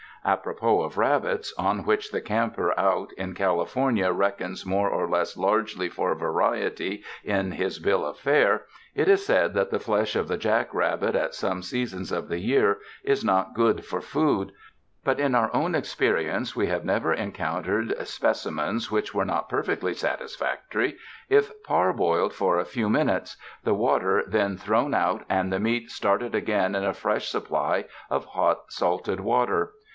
Apropos of rabbits, on which the camper out in California reckons more or less largely for variety in his bill of fare, it is said that the flesh of the jack rabbit at some seasons of the year, is not good for food; but in our own experience we have never encountered specimens which were not perfectly satisfactory if parboiled for a few minutes, the 294 CAMP COOKERY water then thrown out, and the meat started again in a fresh supply of hot, salted water.